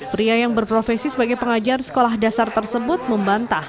pria yang berprofesi sebagai pengajar sekolah dasar tersebut membantah